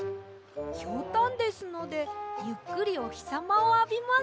ひょうたんですのでゆっくりおひさまをあびます。